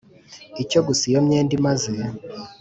icyo gusa Iyo imyenda imaze